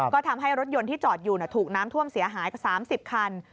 ก็ทำให้รถยนต์ที่จอดอยู่ถูกน้ำท่วมเสียหายกว่า๓๐คัน